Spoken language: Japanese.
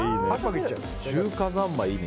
中華三昧いいね。